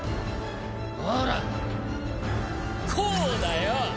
ほらこうだよ。